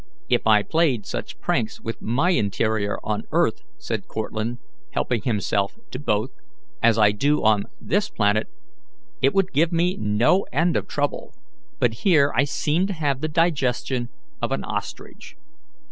"If I played such pranks with my interior on earth," said Cortlandt, helping himself to both, "as I do on this planet, it would give me no end of trouble, but here I seem to have the digestion of an ostrich."